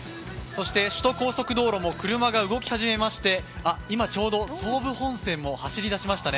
首都高速道路も車が動き始めまして今ちょうど総武本線も走り出しましたね。